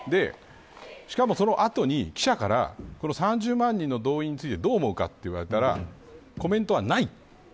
しかも、その後に記者から３０万人の動員についてどう思うかと聞かれたらコメントはない。